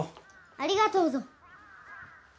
ありがとうぞ。